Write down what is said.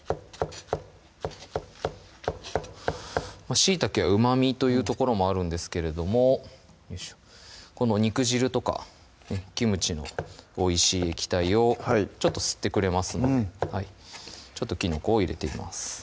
しいたけはうまみというところもあるんですけれどもこの肉汁とかキムチのおいしい液体をちょっと吸ってくれますのできのこを入れています